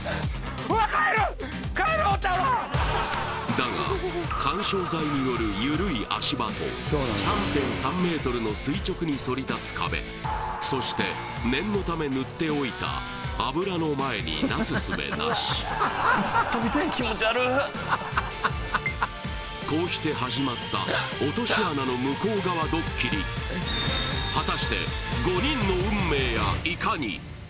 だが緩衝材による緩い足場と３．３ｍの垂直にそり立つ壁そして念のため塗っておいた油の前になすすべなしこうして始まった落とし穴の向こう側ドッキリ果たして５人の運命やいかに！？